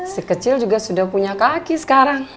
si kecil juga sudah punya kaki sekarang